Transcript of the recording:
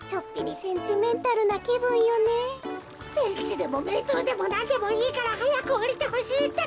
センチでもメートルでもなんでもいいからはやくおりてほしいってか。